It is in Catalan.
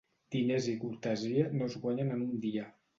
Diners i cortesia no es guanyen en un dia.